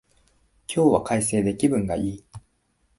今日は快晴で気分がいい